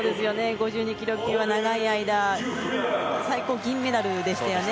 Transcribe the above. ５２ｋｇ級は長い間最高が銀メダルでしたよね。